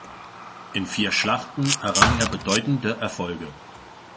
In vier Schlachten errang er bedeutende Erfolge.